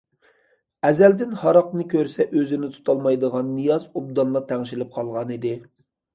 ئەزەلدىن ھاراقنى كۆرسە ئۆزىنى تۇتالمايدىغان نىياز ئوبدانلا تەڭشىلىپ قالغانىدى.